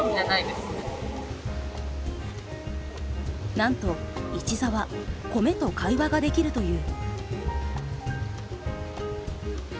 なんと市澤コメと会話ができるという。